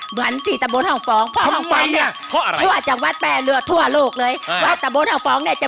เหมือนตี่ตะมนนรับฟอง